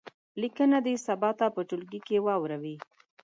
لیکنه دې سبا ته په ټولګي کې واوروي.